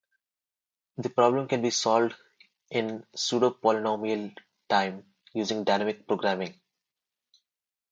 The problem can be solved in pseudo-polynomial time using dynamic programming.